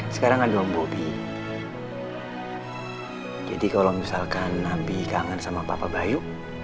sekarang ada om bobi jadi kalo misalkan abi kangen sama papa bayu